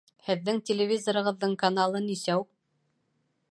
Һеҙҙең телевизорығыҙҙың каналы нисәү?